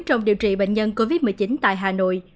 trong điều trị bệnh nhân covid một mươi chín tại hà nội